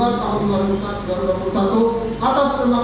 atas pembaksaan jakarta menerapkan di papua